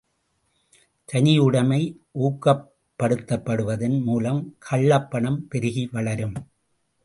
தனியுடைமை ஊக்கப்படுத்தப்படுவதன் மூலம் கள்ளப் பணம் பெருகி வளரும்.